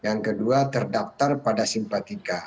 yang kedua terdaftar pada simpatika